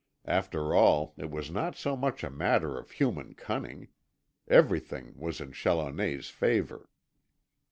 After all, it was not so much a matter of human cunning. Everything was in Challoner's favour.